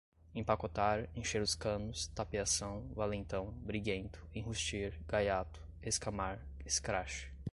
empacotar, encher os canos, tapeação, valentão, briguento, enrustir, gaiato, escamar, escrache